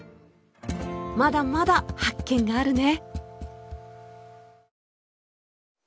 まだまだ発見があるね！